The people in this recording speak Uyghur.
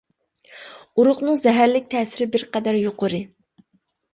ئۇرۇقنىڭ زەھەرلىك تەسىرى بىر قەدەر يۇقىرى.